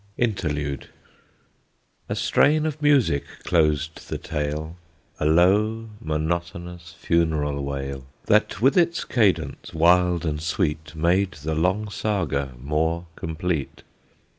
INTERLUDE. A strain of music closed the tale, A low, monotonous, funeral wail, That with its cadence, wild and sweet, Made the long Saga more complete.